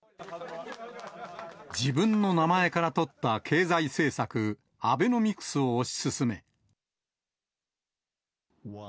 自分の名前からとった経済政策、アベノミクスを推し進め。